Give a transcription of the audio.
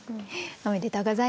おめでとうございます。